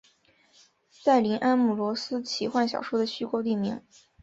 塞林安姆罗斯奇幻小说的虚构地名。